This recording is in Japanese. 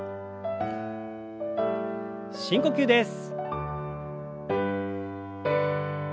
深呼吸です。